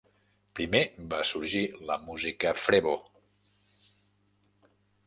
Primer va sorgir la música "frevo".